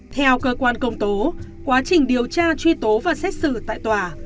theo cơ quan công tố quá trình điều tra truy tố và xét xử tại tòa